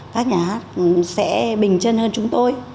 các nhà hát sẽ bình chân hơn chúng tôi